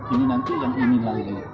ini nanti yang ini lainnya